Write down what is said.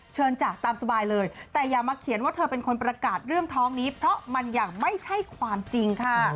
จ้ะตามสบายเลยแต่อย่ามาเขียนว่าเธอเป็นคนประกาศเรื่องท้องนี้เพราะมันอย่างไม่ใช่ความจริงค่ะ